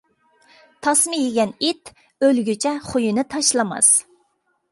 تاسما يېگەن ئىت ئۆلگۈچە خۇيىنى تاشلىماس.